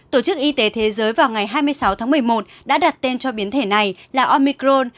tổ chức y tế thế giới vào ngày hai mươi sáu tháng một mươi một đã đặt tên cho biến thể này là omicron